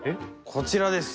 こちらです。